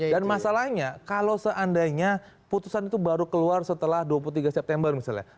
dan masalahnya kalau seandainya putusan itu baru keluar setelah dua puluh tiga september misalnya